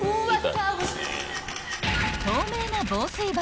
［透明な］